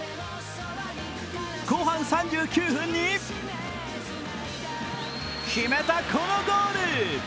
後半３９分に決めたこのゴール。